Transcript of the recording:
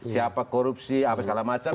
siapa korupsi apa segala macam